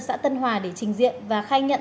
xã tân hòa để trình diện và khai nhận